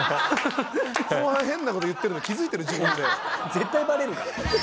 絶対バレるから。